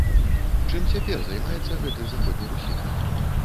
Чым цяпер займаецца гэты заходнерусіст?